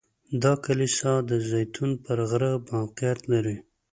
دا کلیسا د زیتون پر غره موقعیت لري.